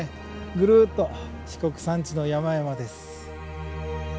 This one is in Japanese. ぐるっと四国山地の山々です。